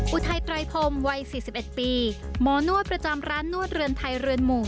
อุทัยตรายพรมวัยสี่สิบเอ็ดปีหมอนวดประจำร้านนวดเรือนไทยเรือนหมู่